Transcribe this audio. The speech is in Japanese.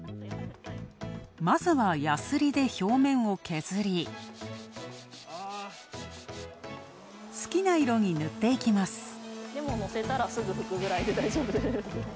まずは、やすりで表面を削り、好きな色に塗っていきます。